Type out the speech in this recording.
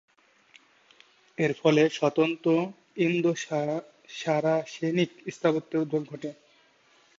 এর ফলে স্বতন্ত্র ইন্দো-সারাসেনিক স্থাপত্যের উদ্ভব ঘটে।